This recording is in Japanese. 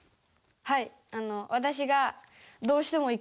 はい。